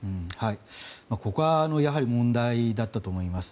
ここはやはり問題だったと思います。